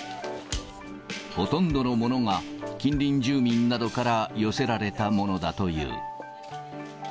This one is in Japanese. ほとんどのものが近隣住民などから寄せられたものだという。